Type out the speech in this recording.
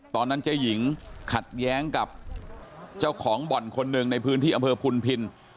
ตอนนั้นเจ๊หญิงขัดแย้งกับเจ้าของบ่อนคนหนึ่งในพื้นที่อำเภอพุนพิน